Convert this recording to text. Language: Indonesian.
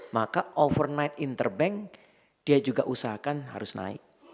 maka overnight interbank dia juga usahakan harus naik